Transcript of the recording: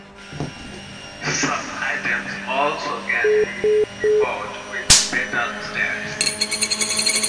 Some items also can be imbued with better stats.